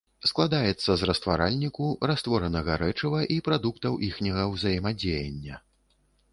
Складаецца з растваральніку, растворанага рэчыва і прадуктаў іхняга ўзаемадзеяння.